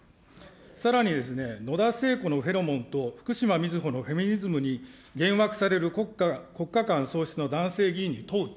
さらに、野田聖子のフェロモンとふくしまみずほのフェミニズムに幻惑される国家感喪失の男性議員に問うって。